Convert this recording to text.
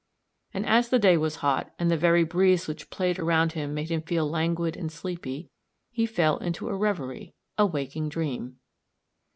And as the day was hot, and the very breeze which played around him made him feel languid and sleepy, he fell into a reverie a waking dream.